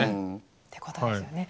ってことですよね。